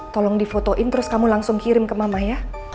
tolong difotoin terus kamu langsung kirim ke mama ya